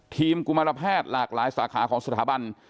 กุมารแพทย์หลากหลายสาขาของสถาบัน